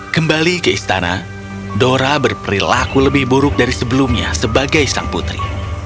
kembali ke istana dora berperilaku lebih buruk dari sebelumnya sebagai sang putri